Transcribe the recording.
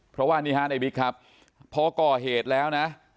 เพราะว่านี่ฮะในบิ๊กครับพอก่อเหตุแล้วนะ